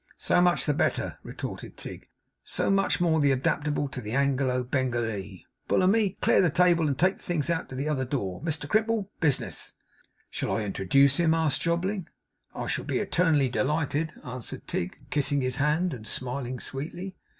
'So much the better,' retorted Tigg. 'So much the more adaptable to the Anglo Bengalee. Bullamy, clear the table and take the things out by the other door. Mr Crimple, business.' 'Shall I introduce him?' asked Jobling. 'I shall be eternally delighted,' answered Tigg, kissing his hand and smiling sweetly.